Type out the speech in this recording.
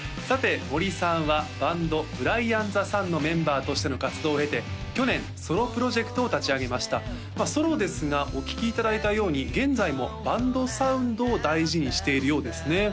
さて森さんはバンドＢｒｉａｎｔｈｅＳｕｎのメンバーとしての活動を経て去年ソロプロジェクトを立ち上げましたまあソロですがお聴きいただいたように現在もバンドサウンドを大事にしているようですね